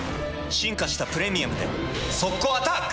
進化した「プレミアム」で速攻アタック！